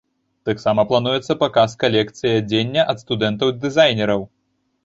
Таксама плануецца паказ калекцый адзення ад студэнтаў-дызайнераў.